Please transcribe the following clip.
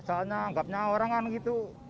soalnya anggapnya orang kan gitu